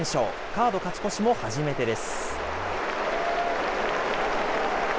カード勝ち越しも初めてです。